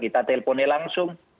kita teleponnya langsung